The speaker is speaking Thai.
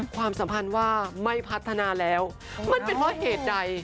ความสัมพันธ์ว่าไม่พัฒนาแล้วมันเป็นเพราะเหตุใด